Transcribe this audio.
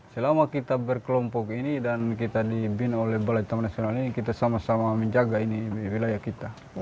selama kita berkelompok ini dan kita dibina oleh balai taman nasional ini kita sama sama menjaga ini wilayah kita